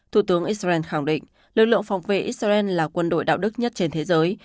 thủ tướng israel khẳng định lực lượng phòng vệ israel là quân đội đạo đức nhất trên thế giới